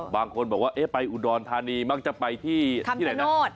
บางคนบอกว่าไปอุดรธานีมักจะไปที่ไหนนะ